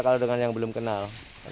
kalau dengan yang belum kenal